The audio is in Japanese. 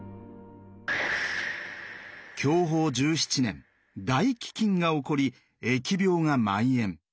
享保１７年大飢きんが起こり疫病がまん延。